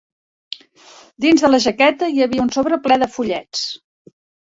Dins de la jaqueta hi havia un sobre ple de fullets.